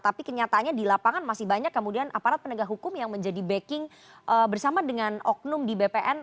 tapi kenyataannya di lapangan masih banyak kemudian aparat penegak hukum yang menjadi backing bersama dengan oknum di bpn